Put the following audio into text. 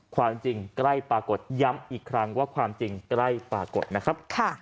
ความจริงใกล้ปรากฏย้ำอีกครั้งว่าความจริงใกล้ปรากฏนะครับ